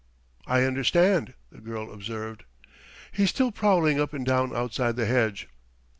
"I understand," the girl observed. "He's still prowling up and down outside the hedge."